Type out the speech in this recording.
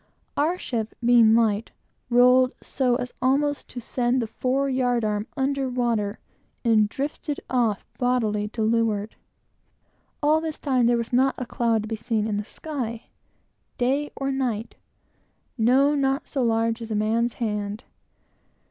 Our ship, being light, rolled so as almost to send the fore yard arm under water, and drifted off bodily, to leeward. All this time there was not a cloud to be seen in the sky, day or night; no, not so large as a man's hand.